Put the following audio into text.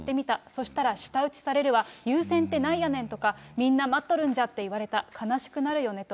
そしたら舌打ちされるわ、優先ってなんやねんとか、みんな待っとるんじゃと言われた、悲しくなるよねと。